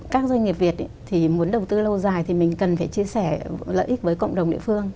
các doanh nghiệp việt thì muốn đầu tư lâu dài thì mình cần phải chia sẻ lợi ích với cộng đồng địa phương